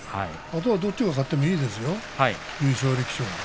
あとはどっちが勝ってもいいですよ、優勝力士は。